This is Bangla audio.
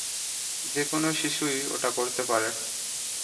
যে কোনো শিশুই ওটা করতে পারে।